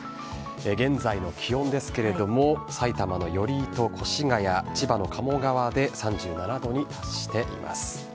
現在の気温ですけれども埼玉の寄居と越谷千葉の鴨川で３７度に達しています。